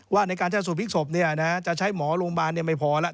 ว่าในการแช่งสู่ภิกษบเนี่ยนะจะใช้หมอโรงพยาบาลไม่พอแล้ว